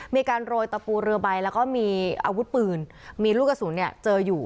มีการโรยตะปูเรือใบแล้วก็มีอาวุธปืนมีลูกกระสุนเนี่ยเจออยู่